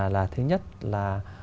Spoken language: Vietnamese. là thứ nhất là